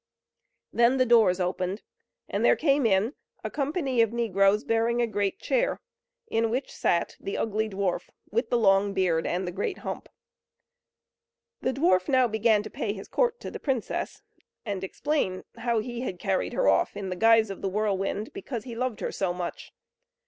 Then the doors opened, and there came in a company of negroes, bearing a great chair, in which sat the ugly dwarf, with the long beard and the great hump. The dwarf now began to pay his court to the princess, and explain how he had carried her off in the guise of the whirlwind, because he loved her so much.